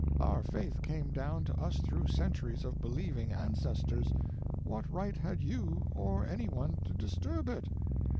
Our faith came down to us through centuries of believing ancestors; what right had you, or any one, to disturb it?